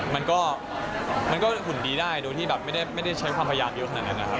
มันก็หุ่นดีได้โดยที่ไม่ได้ใช้ความพยายามอยู่ขนาดนั้น